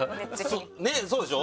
そうでしょ？